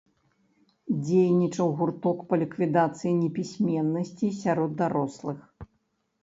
Дзейнічаў гурток па ліквідацыі непісьменнасці сярод дарослых.